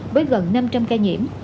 với gần năm trăm linh ca nhiễm